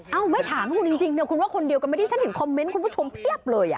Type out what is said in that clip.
ไม่ถามคุณจริงเนี่ยคุณว่าคนเดียวกันไม่ได้ฉันเห็นคอมเมนต์คุณผู้ชมเพียบเลย